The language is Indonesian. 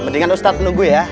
mendingan ustadz menunggu ya